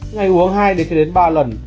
ngay uống hai ba lần